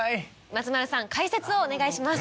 松丸さん解説をお願いします。